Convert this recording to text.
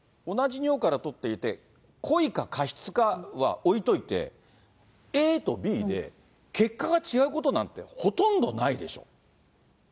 これね、同じ尿から取っていて、故意か過失かは置いといて、ＡとＢで、結果が違うことになるって、ほとんどないでしょう。